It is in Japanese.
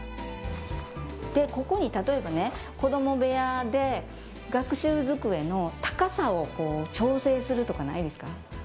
ここに例えば子供部屋で学習机の高さを調整するとかないですか？